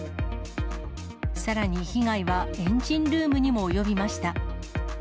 さらに被害はエンジンルームにも及びました。